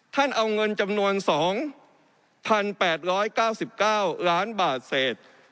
ท่านเอาเงินจำนวน๒๘๙๙ล้านบาทเศษ